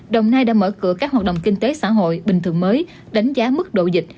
đồng nai đã mở cửa các hoạt động kinh tế xã hội bình thường mới đánh giá mức độ dịch